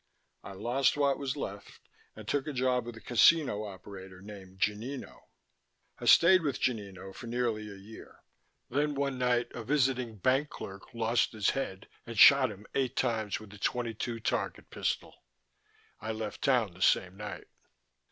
I lost what was left and took a job with a casino operator named Gonino. "I stayed with Gonino for nearly a year. Then one night a visiting bank clerk lost his head and shot him eight times with a .22 target pistol. I left town the same night.